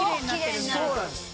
そうなんです。